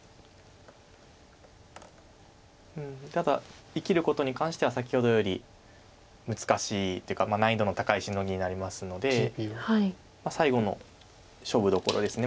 ただ生きることに関しては先ほどより難しいというか難易度の高いシノギになりますので最後の勝負どころです。